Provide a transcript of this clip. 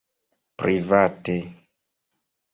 private